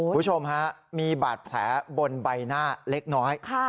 คุณผู้ชมฮะมีบาดแผลบนใบหน้าเล็กน้อย